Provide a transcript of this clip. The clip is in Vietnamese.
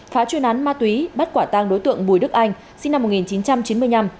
phá chuyên án ma túy bắt quả tang đối tượng bùi đức anh sinh năm một nghìn chín trăm chín mươi năm